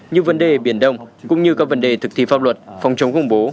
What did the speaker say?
như vấn đề biển đông cũng như các vấn đề thực thi pháp luật phòng chống khủng bố